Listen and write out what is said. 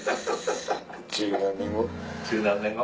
１０何年後？